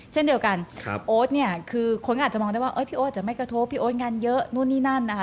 เช่นเดียวกันโอ๊ตเนี่ยคือคนก็อาจจะมองได้ว่าพี่โอ๊ตจะไม่กระทบพี่โอ๊ตงานเยอะนู่นนี่นั่นนะคะ